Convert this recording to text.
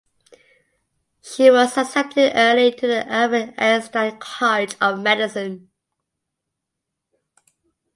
She was accepted early to the Albert Einstein College of Medicine.